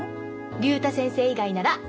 竜太先生以外なら。